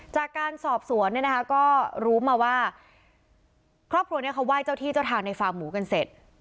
จากการสอบสวนเนี่ยนะคะก็รู้มาว่าครอบครัวนี้เขาไหว้เจ้าที่เจ้าทางในฟาร์มหมูกันเสร็จ